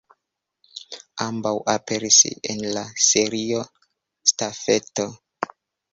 Ambaŭ aperis en la Serio Stafeto.